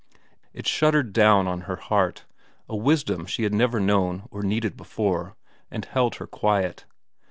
It shuddered down on her heart, a wisdom she had never known or needed before, and held her quiet.